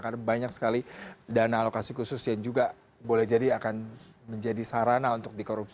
karena banyak sekali dana alokasi khusus yang juga boleh jadi akan menjadi sarana untuk dikorupsi